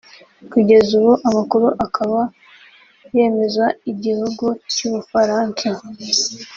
kugeza ubu amakuru akaba yemeza igihugu cy’ubufaransa